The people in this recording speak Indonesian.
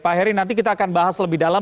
pak heri nanti kita akan bahas lebih dalam